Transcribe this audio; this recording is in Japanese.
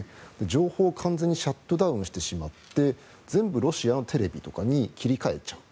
情報を完全にシャットダウンしてしまって全部ロシアのテレビとかに切り替えちゃう。